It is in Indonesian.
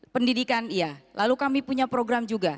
pendidikan iya lalu kami punya program juga